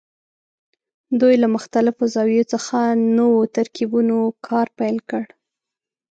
دوی له مختلفو زاویو څخه نوو ترکیبونو کار پیل کړ.